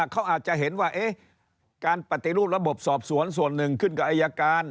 เขาอาจจะเห็นว่าการปฏิรูประบบสอบสวนส่วนหนึ่งขึ้นกับอายการ